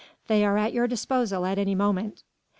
They are at your disposal at any moment."